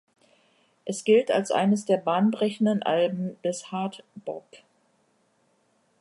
Es gilt als eines der bahnbrechenden Alben des Hard Bop.